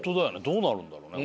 どうなるんだろうね？